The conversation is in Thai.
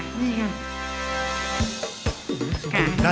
นี่ไง